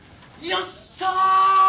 ・よっしゃー！